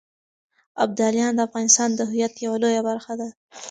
ابداليان د افغانستان د هویت يوه لويه برخه ده.